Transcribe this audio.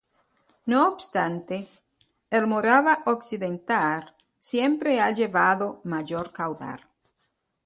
No obstante, el Morava occidental siempre ha llevado mayor caudal.